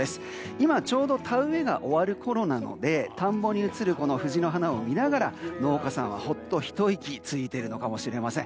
今、ちょうど田植えが終わるころなので田んぼに映る藤の花を見ながら農家さんは、ほっと一息ついているのかもしれません。